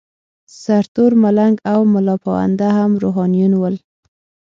سرتور ملنګ او ملاپوونده هم روحانیون ول.